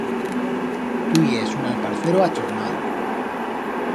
Tu yes un alparcero a chornal.